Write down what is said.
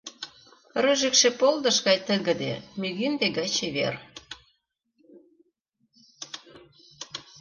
Рыжыкше полдыш гай тыгыде, мӱгинде гай чевер.